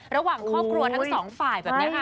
ระหว่างครอบครัวทั้งสองฝ่ายแบบนี้ค่ะ